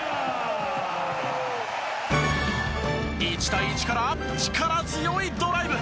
１対１から力強いドライブ。